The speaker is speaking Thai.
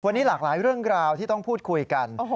วันนี้หลากหลายเรื่องราวที่ต้องพูดคุยกัน